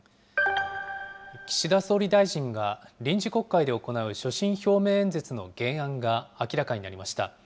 岸田総理大臣が、臨時国会で行う所信表明演説の原案が明らかになりました。